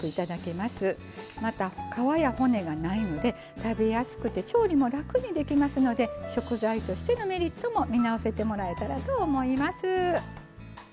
また皮や骨がないので食べやすくて調理も楽にできますので食材としてのメリットも見直せてもらえたらと思います。